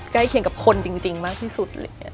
ใกล้เคียงกับคนจริงมากที่สุด